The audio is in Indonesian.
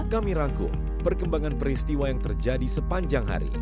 kami rangkum perkembangan peristiwa yang terjadi sepanjang hari